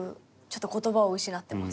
ちょっと言葉を失ってます。